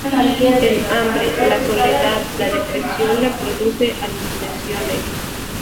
El hambre, la soledad, la depresión le producen alucinaciones.